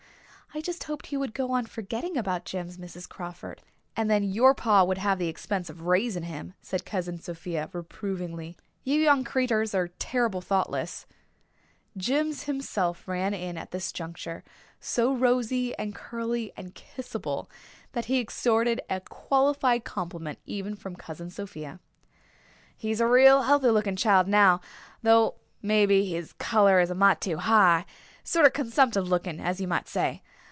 I just hoped he would go on forgetting about Jims, Mrs. Crawford." "And then your pa would have the expense of raising him," said Cousin Sophia reprovingly. "You young creeturs are terrible thoughtless." Jims himself ran in at this juncture, so rosy and curly and kissable, that he extorted a qualified compliment even from Cousin Sophia. "He's a reel healthy looking child now, though mebbee his colour is a mite too high sorter consumptive looking, as you might say.